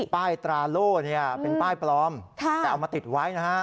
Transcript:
ป้ายฟรานโล่เนี่ยเป็นป้ายปลอมแต่เอามาติดไว้นะคะ